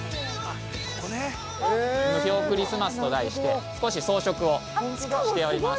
◆霧氷クリスマスと題して少し装飾をしてあります。